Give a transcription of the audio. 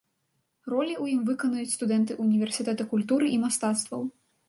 Ролі ў ім выканаюць студэнты ўніверсітэта культуры і мастацтваў.